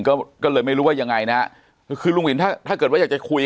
ก็เลยไม่รู้ว่ายังไงนะฮะคือลุงวินถ้าถ้าเกิดว่าอยากจะคุย